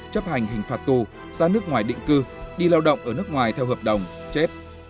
chấp hành hình phạt tù ra nước ngoài định cư đi lao động ở nước ngoài theo hợp đồng chết